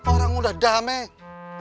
orang udah damai